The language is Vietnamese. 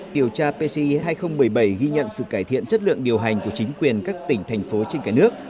điều tra pci hai nghìn một mươi bảy ghi nhận sự cải thiện chất lượng điều hành của chính quyền các tỉnh thành phố trên cả nước